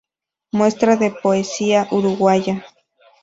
Muestra de poesía uruguaya".